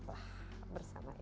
saya selalu harus berhati hati